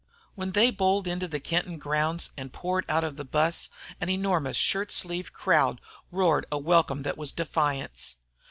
When they bowled into the Kenton grounds and poured out of the bus, an enormous shirt sleeved crowd roared a welcome that was defiance.